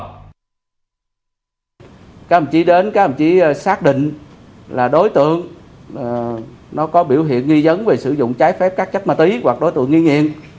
các phòng chí đến các phòng chí xác định là đối tượng nó có biểu hiện nghi dấn về sử dụng trái phép các chất ma tí hoặc đối tượng nghi nhiên